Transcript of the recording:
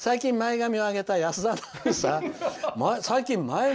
最近、前髪を上げた保田アナウンサー？